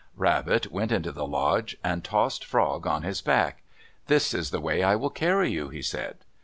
Rabbit went into the lodge and tossed Frog on his back. "This is the way I will carry you," he said.